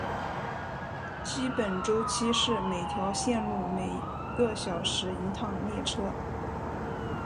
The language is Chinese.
基本周期是每条线路每个小时一趟列车。